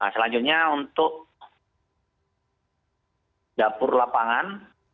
selanjutnya untuk dapur lapangan